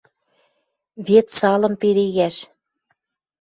Вет салым перегӓш